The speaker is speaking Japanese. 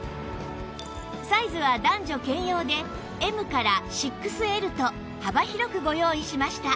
サイズは男女兼用で Ｍ から ６Ｌ と幅広くご用意しました